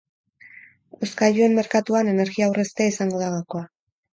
Hozkailuen merkatuan, energia aurreztea izango da gakoa.